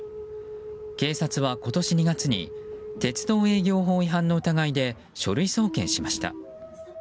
警察は、今年２月に鉄道営業法違反の疑いで書類送検しました。